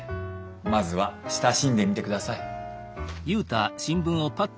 まずは親しんでみてください。